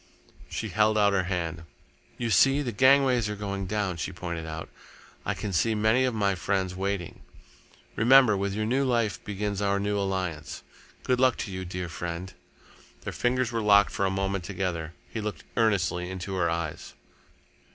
She held out her hand. "You see, the gangways are going down," she pointed out. "I can see many of my friends waiting. Remember, with your new life begins our new alliance. Good luck to you, dear friend!" Their fingers were locked for a moment together. He looked earnestly into her eyes.